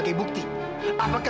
kami sudah lebih plate asphalt artist